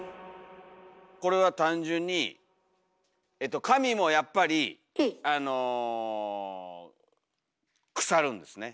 これは単純に紙もやっぱりあの腐るんですね。